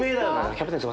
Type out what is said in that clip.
「キャプテン翼」